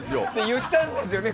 言ったんですよね